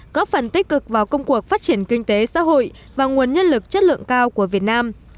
góp phần tích cực vào công cuộc phát triển kinh tế xã hội và nguồn nhân lực chất lượng cao của việt nam